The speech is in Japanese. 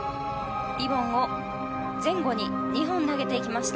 リボンを前後に２本投げていきました。